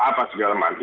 apa segala macam